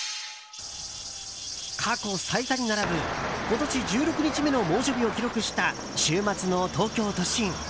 過去最多に並ぶ今年１６日目の猛暑日を記録した週末の東京都心。